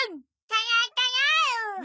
たやたや！